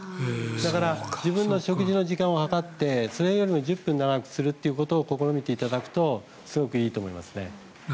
だから自分の食事の時間を測ってそれよりも１０分長くすることを試みていただくとすごくいいと思います。